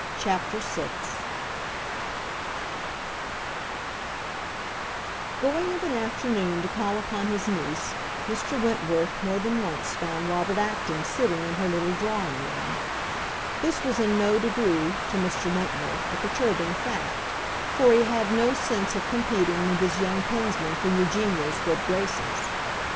CHAPTER VI Going of an afternoon to call upon his niece, Mr. Wentworth more than once found Robert Acton sitting in her little drawing room. This was in no degree, to Mr. Wentworth, a perturbing fact, for he had no sense of competing with his young kinsman for Eugenia's good graces.